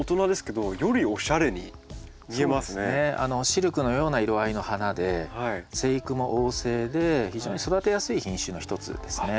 シルクのような色合いの花で生育も旺盛で非常に育てやすい品種の一つですね。